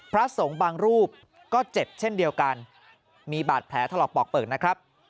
พระสงฆ์บางรูปก็เจ็บเช่นเดียวกันมีบาดแผลถลอกปอกเปลือกนะครับ